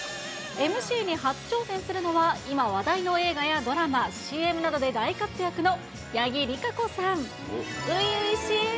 ＭＣに初挑戦するのは、今話題の映画やドラマ、ＣＭなどで大活躍の八木りかこさん。